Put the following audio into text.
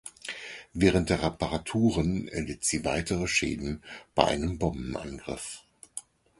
Während der Reparaturen erlitt sie weitere Schäden bei einem Bombenangriff.